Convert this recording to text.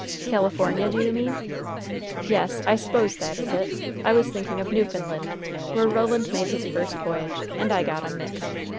"California, do you mean?" "Yes; I s'pose that is it. I was thinking of Newfoundland, where Roland made his first voyage, and I got 'em mixed.